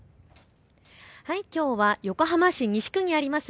きょうは横浜市西区にあります